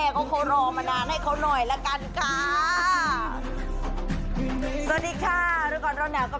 ก็เขารอมานานให้เขาหน่อยละกันค่ะสวัสดีค่ะรู้ก่อนร้อนหนาวกับ